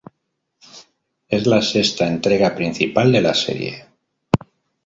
Es la sexta entrega principal de la serie.